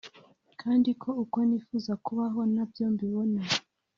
kandi ko uko nifuza kubaho nabyo mbibona